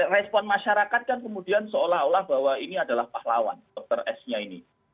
respon masyarakat kan kemudian seolah olah bahwa ini adalah pahlawan dokter s nya ini